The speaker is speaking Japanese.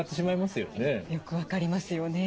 よく分かりますよね。